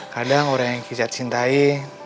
kadang orang yang kita cintai